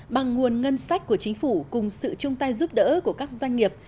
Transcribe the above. bằng nguồn ngân sách của chính phủ cùng sự chung tay giúp đỡ của các doanh nghiệp